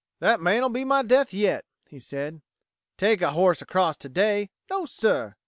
"That man'll be my death yet," he said. "Take a horse across today? No, sir!